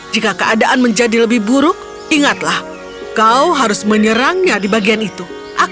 jika keadaan menjadi lebih buruk ingatlah kau harus menyerangnya di bagian itu